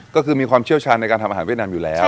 ก็คือมีความเชี่ยวชาญในการทำอาหารเวียดนามอยู่แล้ว